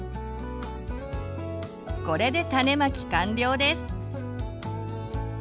これで種まき完了です。